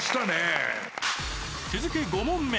［続く５問目］